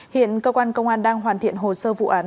hiện cơ quan công an đang hoàn thiện hồ sơ vụ án